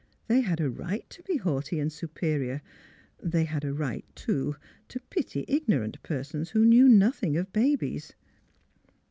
They had a right to be haughty and superior. They had a right, too, to pity ignorant persons who knew nothing of babies.